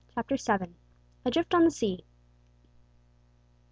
CHAPTER SEVEN. ADRIFT ON THE SEA.